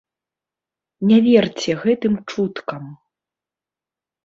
Не верце гэтым чуткам.